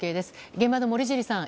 現場の森尻さん